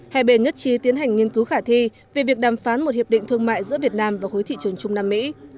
hai bên nhất trí tiến hành nghiên cứu khả thi về việc đàm phán một hiệp định thương mại giữa việt nam và khối thị trường trung nam mỹ